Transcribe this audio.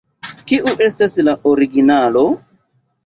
Kiu estas la originalo?